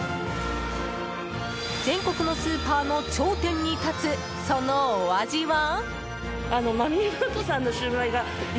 全国のスーパーの頂点に立つそのお味は？